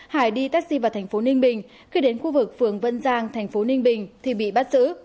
hải đi taxi vào thành phố ninh bình khi đến khu vực phường vân giang thành phố ninh bình thì bị bắt giữ